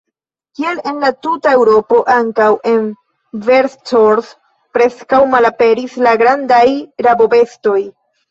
Kiel en la tuta Eŭropo, ankaŭ en Vercors preskaŭ malaperis la grandaj rabobestoj.